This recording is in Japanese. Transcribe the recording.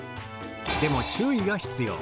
でも注意が必要。